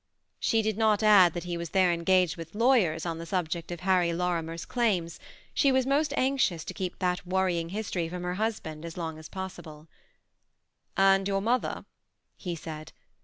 She did not add that he was there, engaged with lawyers on the subject of Harry Lorimer's claims ; she was most anxious to keep that worrying history from her husband as long as pos sible. 328 THE SEBCI ATTACHED COUPLE. ^ And joar mother ?he said.